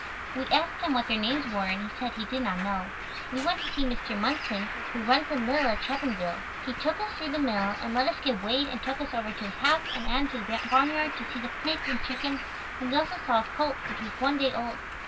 We asked him what their names were and he said he did not know. We went to see Mr. Munson, who runs the mill at Chapinville. He took us through the mill and let us get weighed and took us over to his house and out into the barn yard to see the pigs and chickens and we also saw a colt which was one day old.